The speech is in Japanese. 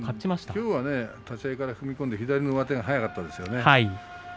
きょうは立ち合いから踏み込んで左からの上手が速かったですね。